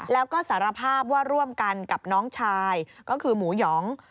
แล้วก็สารภาพว่าร่วมกันกับน้องชายก็คือหมูหยอง